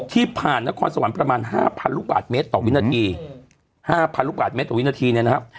ที่ผ่านนครสวรรค์ประมาณ๕๐๐ลูกบาทเมตรต่อวินาที๕๐๐ลูกบาทเมตรต่อวินาทีเนี่ยนะครับ